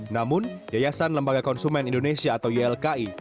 namun yayasan lembaga konsumen indonesia atau ylki